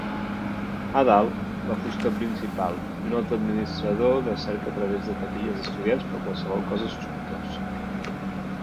A dalt, la fusta principal i un altre administrador de cerca a través de taquilles d'estudiants per a qualsevol cosa sospitós.